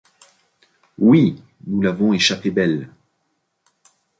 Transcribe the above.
Oui ! nous l’avons échappé belle !